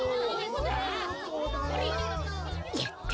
やった。